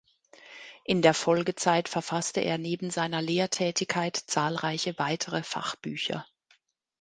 In der Folgezeit verfasste er neben seiner Lehrtätigkeit zahlreiche weitere Fachbücher.